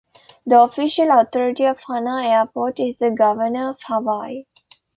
The official authority of Hana Airport is the Governor of Hawaii.